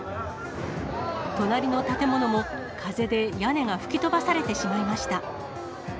隣の建物も、風で屋根が吹き飛ばされてしまいました。